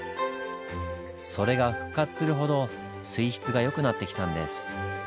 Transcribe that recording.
それが復活するほど水質がよくなってきたんです。